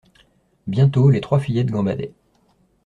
Bientôt, les trois fillettes gambadaient.